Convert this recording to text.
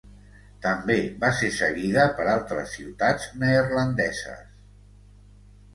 També va ser seguida per altres ciutats neerlandeses.